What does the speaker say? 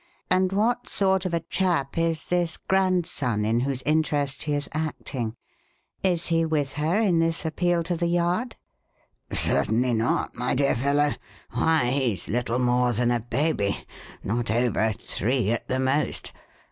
And what sort of a chap is this grandson in whose interest she is acting? Is he with her in this appeal to the Yard?" "Certainly not, my dear fellow. Why, he's little more than a baby not over three at the most.